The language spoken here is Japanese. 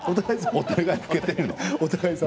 お互い様。